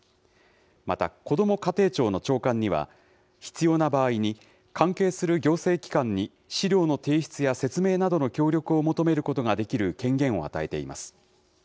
また、こども家庭庁の長官には、必要な場合に、関係する行政機関に資料の提出や説明などの協力を求めることができる権限を与えています。